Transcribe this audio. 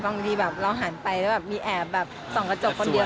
บางทีเราหันไปแล้วมีแอบส่องกระจกคนเดียว